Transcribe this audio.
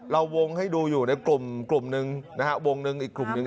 เราวงให้ดูอยู่ในกลุ่มหนึ่งนะฮะวงหนึ่งอีกกลุ่มหนึ่ง